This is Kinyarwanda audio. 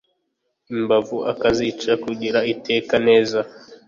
Imbavu ukazica kugira uteke neza